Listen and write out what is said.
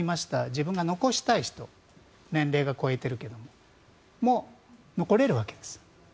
自分が残したい人年齢が超えているけれどもその人も残れるわけです。